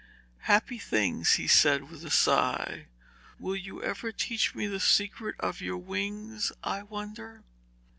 'Happy things,' he said, with a sigh. 'Will you ever teach me the secret of your wings, I wonder?'